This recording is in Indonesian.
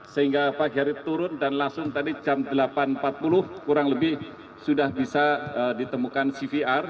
sehingga pagi hari turun dan langsung tadi jam delapan empat puluh kurang lebih sudah bisa ditemukan cvr